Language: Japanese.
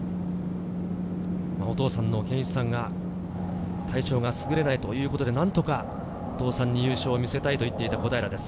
お父さんの健一さんが、体調がすぐれないということで、何とかお父さんに優勝を見せたいと言っていた小平です。